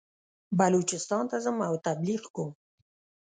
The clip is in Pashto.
بلوچستان ته ځم او تبلیغ کوم.